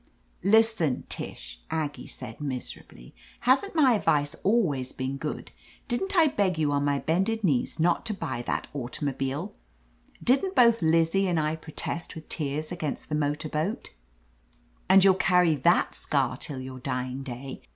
"Listen, Tish," Aggie said miserably. "Hasn't my advice always been good ? Didn't I beg you on my bended knees not to buy that automobile ? Didn't both Lizzie and I protest with tears against the motor boat, and you'll 12 l\ i OF LETITIA CARBERRY carry that scar till your dying day.